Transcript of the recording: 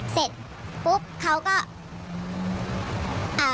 เสร็จปุ๊บเขาก็